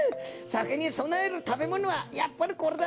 酒にそなえる食べ物はやっぱりこれだろう！